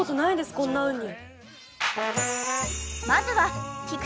こんなうに。